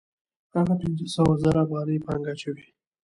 هغه پنځه سوه زره افغانۍ پانګه اچوي